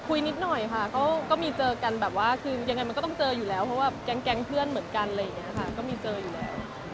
นิดหน่อยค่ะก็มีเจอกันแบบว่าคือยังไงมันก็ต้องเจออยู่แล้วเพราะว่าแก๊งเพื่อนเหมือนกันอะไรอย่างนี้ค่ะก็มีเจออยู่แล้ว